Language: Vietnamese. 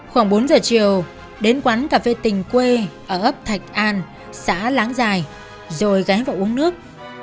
khoảng bốn giờ chiều đến quán cà phê tình quê ở ấp thạch an xã láng dài rồi ghé vào uống nước